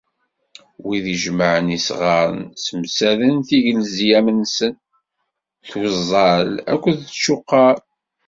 Wid ijemmɛen isɣaren, ssemsaden tiglezyam-nsen, tuẓẓal akked tcuqar.